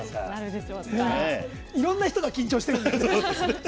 いろんな人が緊張してるんですよね。